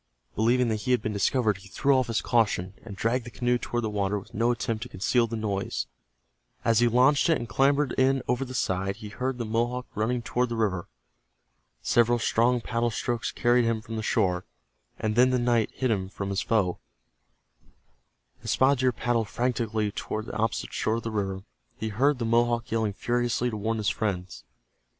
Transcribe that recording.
Believing that he had been discovered, he threw off his caution, and dragged the canoe toward the water with no attempt to conceal the noise. As he launched it and clambered in over the side, he heard the Mohawk running toward the river. Several strong paddle strokes carried him from the shore, and then the night hid him from his foe. As Spotted Deer paddled frantically toward the opposite shore of the river, he heard the Mohawk yelling furiously to warn his friends.